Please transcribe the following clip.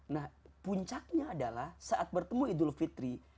nah puncaknya adalah saat bertemu idul fitri